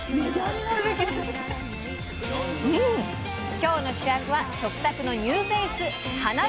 今日の主役は食卓のニューフェースはなびらたけ！